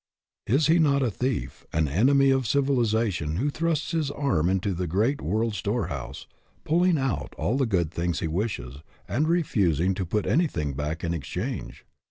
Is he not a thief, an enemy of civilization who thrusts his arm into the great world's DOES THE WORLD OWE YOU? 209 storehouse, pulling out all the good things he wishes and refusing to put anything back in exchange